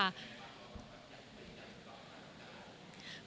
แล้วแปลวันนี้มันจะเป็นอย่างสำหรับทุกคน